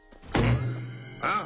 ああ？